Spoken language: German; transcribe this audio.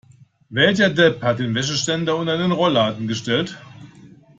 Welcher Depp hat den Wäscheständer unter den Rollladen gestellt?